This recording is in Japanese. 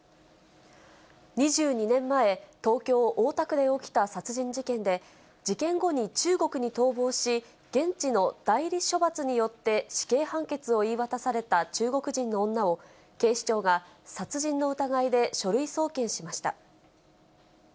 ２２年前、東京・大田区で起きた殺人事件で、事件後に中国に逃亡し、現地の代理処罰によって死刑判決を言い渡された中国人の女を、警視庁が殺人の疑いで書類送検しました。